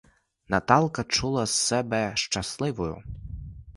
Наталка чула себе щасливою.